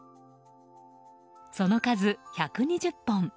その数、１２０本。